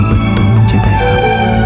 aku betul betul mencintai kamu